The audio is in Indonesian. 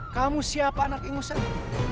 kamu siapa anak ingus ini